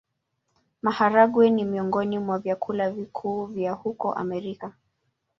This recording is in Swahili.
Maharagwe ni miongoni mwa vyakula vikuu vya huko Amerika.